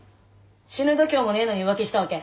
死ぬ度胸もねえのに浮気したわけ？